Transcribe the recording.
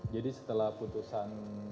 jadi setelah putusan